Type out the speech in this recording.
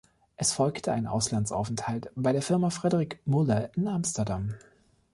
Es folgte ein Auslandsaufenthalt bei der Firma Frederic Muller in Amsterdam.